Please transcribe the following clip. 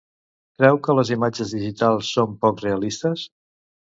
Creu que les imatges digitals són poc realistes?